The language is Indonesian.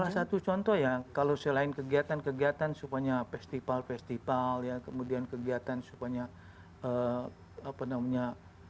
salah satu contoh ya kalau selain kegiatan kegiatan supaya festival festival ya kemudian kegiatan supaya apa namanya